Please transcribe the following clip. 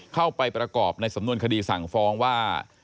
เข้าไปประกอบในสำนวนคดีสั่งฟ้องว่า